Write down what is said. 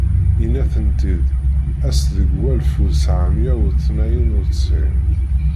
Yenna-ten-id ass deg walef uttɛemya u tniyen u ttɛin.